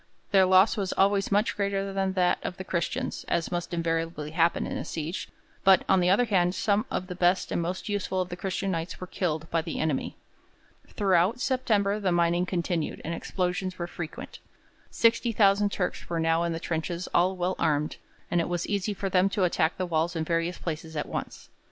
Their loss was always much greater than that of the Christians, as must invariably happen in a siege; but, on the other hand, some of the best and most useful of the Christian Knights were killed by the enemy. Throughout September the mining continued, and explosions were frequent. Sixty thousand Turks were now in the trenches all well armed, and it was easy for them to attack the walls in various places at once.